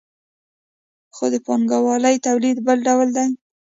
خو د پانګوالي تولید بل ډول دی.